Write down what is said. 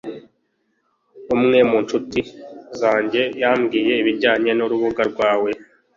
Umwe mu ncuti zanjye yambwiye ibijyanye nurubuga rwawe